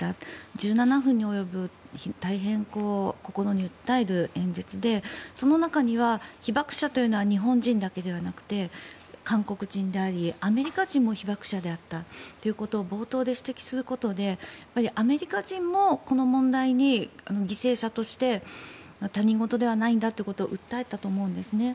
１７分に及ぶ大変、心に訴える演説でその中には、被爆者というのは日本人だけでなくて韓国人であり、アメリカ人も被爆者であったということを冒頭で指摘することでアメリカ人も、この問題に犠牲者として他人事ではないんだというのを訴えたと思うんですね。